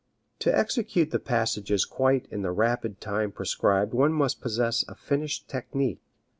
To execute the passages quite in the rapid time prescribed one must possess a finished technique.